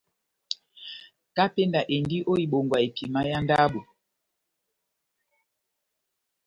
Kapenda endi ó ibongwa epima yá ndabo.